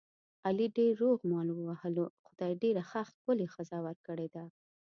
علي ډېر روغ مال ووهلو، خدای ډېره ښه ښکلې ښځه ور کړې ده.